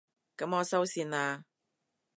噉我收線喇